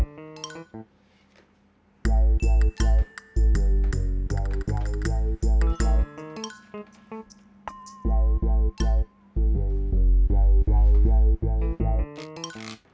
มึงห้ามไปได้มึงรอตรงนี้